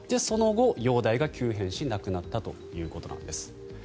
その後、容体が急変し亡くなったということです。